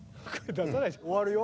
終わるよ。